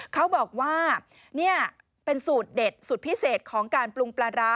เขาบอกว่านี่เป็นสูตรเด็ดสุดพิเศษของการปรุงปลาร้า